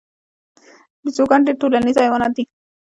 بیزوګان ډیر ټولنیز حیوانات دي